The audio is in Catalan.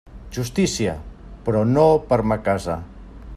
Justícia, però no per ma casa.